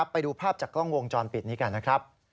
ไปดูภาพจากกล้องวงจรปิดนี้กันนะครับ